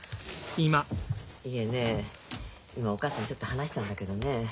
今お母さんにちょっと話したんだけどね